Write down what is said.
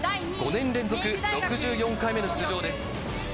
５年連続６４回目の出場です。